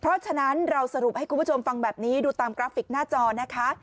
เพราะฉะนั้นเราสรุปให้คุณผู้ชมฟังแบบนี้ดูตามกราฟิกหน้าจอนะคะ